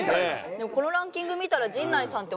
でもこのランキング見たら陣内さんってわかるかも。